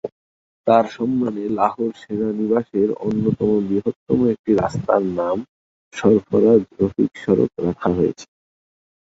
তার সম্মানে লাহোর সেনানিবাসের অন্যতম বৃহত্তম একটি রাস্তার নাম সরফরাজ রফিক সড়ক রাখা হয়েছে।